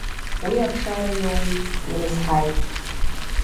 Уа ахшара иоут, ирызҳаит.